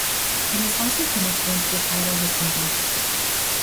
It is also finished once the title has been guessed.